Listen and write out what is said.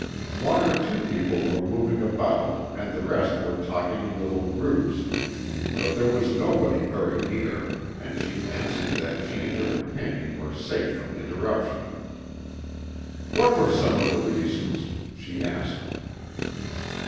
One or two people were moving about and the rest were talking in little groups; but there was nobody very near, and she fancied that she and her companion were safe from interruption. "What were some of the reasons?" she asked.